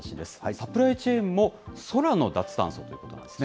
サプライチェーンも空の脱炭素ということなんですね。